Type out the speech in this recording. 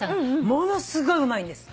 ものすごいうまいんです。